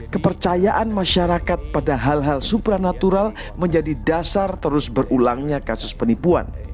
kepercayaan masyarakat pada hal hal supranatural menjadi dasar terus berulangnya kasus penipuan